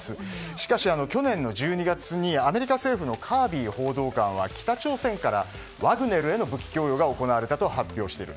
しかし、去年１２月にアメリカ政府のカービー報道官は北朝鮮からワグネルへの武器供与が行われたと発表している。